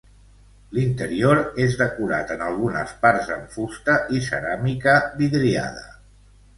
L'interior és decorat en algunes parts amb fusta i ceràmica vidriada.